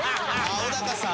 小高さん。